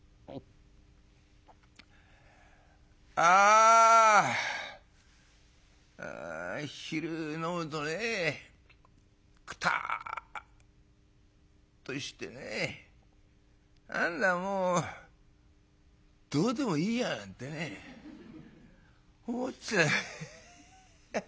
「あ昼飲むとねくたっとしてね何だもうどうでもいいやなんてね思っちゃうヘッヘヘヘヘ。